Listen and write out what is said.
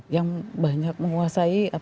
yang banyak menguasai